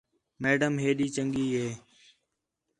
میڈم ہے ݙی چنڳی ہے